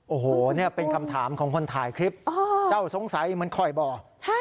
โอ้โหเนี่ยเป็นคำถามของคนทายคลิปเจ้าคิดว่ามันคอยใช่ไหม